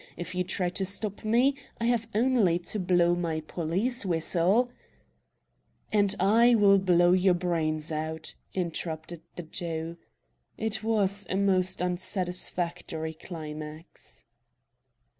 If you try to stop me I have only to blow my police whistle " "And I will blow your brains out!" interrupted the Jew. It was a most unsatisfactory climax.